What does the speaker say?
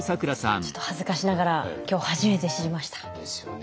ちょっと恥ずかしながら今日初めて知りました。ですよね。